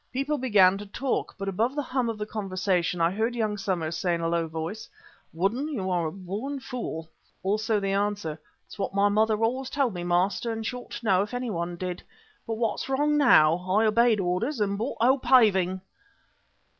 People began to talk, but above the hum of the conversation I heard young Somers say in a low voice: "Woodden, you're a born fool." Also the answer: "That's what my mother always told me, master, and she ought to know if anyone did. But what's wrong now? I obeyed orders and bought 'O. Paving.